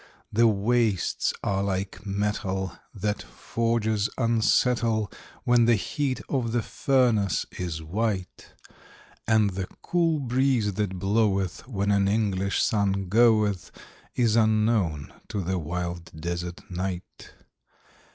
The wastes are like metal that forges unsettle When the heat of the furnace is white; And the cool breeze that bloweth when an English sun goeth, Is unknown to the wild desert night.